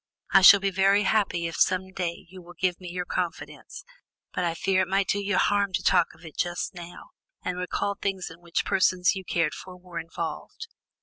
I shall be very happy if some day you will give me your confidence, but I fear it might do you harm to talk of it just now, and recall things in which persons you cared for were involved?"